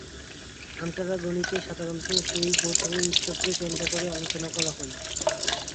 আন্টারাগনিতে সাধারণত সেই বছরের উৎসবকে কেন্দ্র করে আলোচনা হয়।